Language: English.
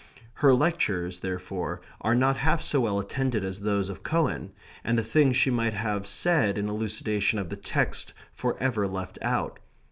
Her lectures, therefore, are not half so well attended as those of Cowan, and the thing she might have said in elucidation of the text for ever left out.